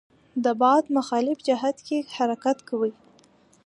د باد په مخالف جهت کې حرکت کوي.